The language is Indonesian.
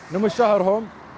numus syahr hum